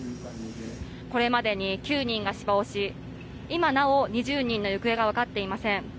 これまでに９人が死亡し、今なお２０人の行方が分かっていません。